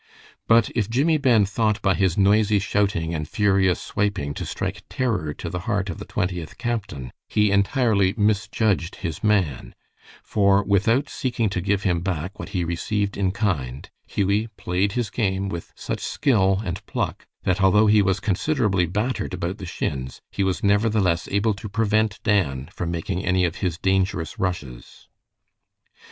But if Jimmie Ben thought by his noisy shouting and furious swiping to strike terror to the heart of the Twentieth captain, he entirely misjudged his man; for without seeking to give him back what he received in kind, Hughie played his game with such skill and pluck, that although he was considerably battered about the shins, he was nevertheless able to prevent Dan from making any of his dangerous rushes.